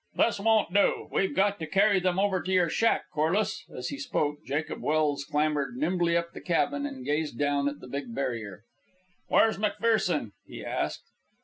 "This won't do. We've got to carry them over to your shack, Corliss." As he spoke, Jacob Welse clambered nimbly up the cabin and gazed down at the big barrier. "Where's McPherson?" he asked.